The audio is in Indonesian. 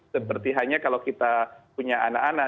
seperti hanya kalau kita punya anak anak